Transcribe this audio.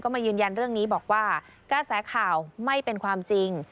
มายืนยันเรื่องนี้บอกว่ากระแสข่าวไม่เป็นความจริง